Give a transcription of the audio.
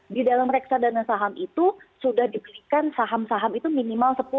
di dalam reksadana saham itu sudah dibelikan saham saham itu minimal sepuluh